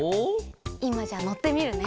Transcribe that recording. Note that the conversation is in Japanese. いまじゃあのってみるね。